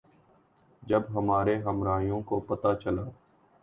جب ہمارے ہمراہیوں کو پتہ چلا